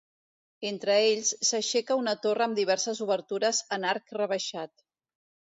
Entre ells, s'aixeca una torre amb diverses obertures en arc rebaixat.